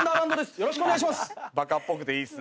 よろしくお願いします。